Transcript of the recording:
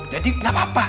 jadi gak apa apa